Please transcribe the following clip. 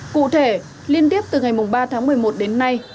cụ thể liên tiếp từ ngày ba tháng một mươi một đến nay